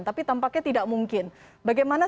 tapi tampaknya tidak mungkin bagaimana